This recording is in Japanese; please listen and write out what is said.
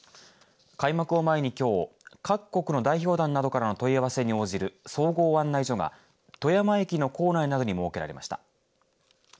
開幕を前にきょう各国の代表団などからの問い合わせに応じる総合案内所が富山県の構内などに設けられました。